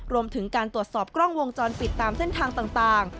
รวมถึงการตรวจสอบกล้องวงจรปิดตามเส้นทางต่าง